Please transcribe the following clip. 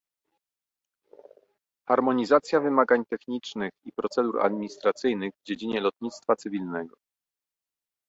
Harmonizacja wymagań technicznych i procedur administracyjnych w dziedzinie lotnictwa cywilnego